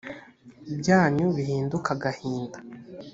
byanyu bihinduke agahinda